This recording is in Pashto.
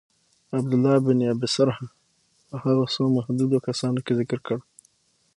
عبدالله بن ابی سرح په هغو څو محدودو کسانو کي ذکر کړ.